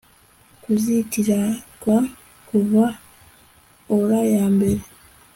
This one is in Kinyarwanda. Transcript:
kuzitirwa kuva aura yambere